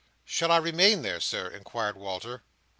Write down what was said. "Shall I remain there, Sir?" inquired Walter.